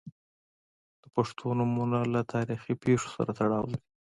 • د پښتو نومونه له تاریخي پیښو سره تړاو لري.